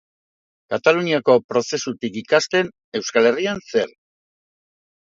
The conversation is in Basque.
Kataluniako prozesutik ikasten, Euskal Herrian zer?